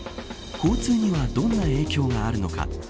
交通にはどんな影響があるのか。